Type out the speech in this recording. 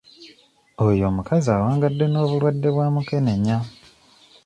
Oyo omukazi awangadde n'obulwadde bwa mukenenya.